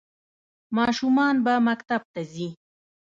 ماشومان به مکتب ته ځي؟